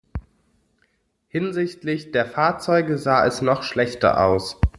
Hinsichtlich der Fahrzeuge sah es noch schlechter aus.